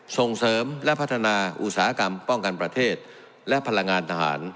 ส่งเสริมและพัฒนาอุตสาหกรรมป้องกันประเทศและพลังงานทหาร